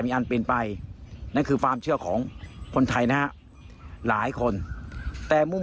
มีอันเป็นไปนั่นคือความเชื่อของคนไทยนะฮะหลายคนแต่มุม